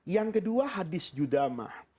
yang kedua hadis judama